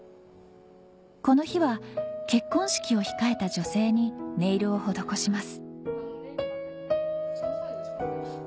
この日は結婚式を控えた女性にネイルを施します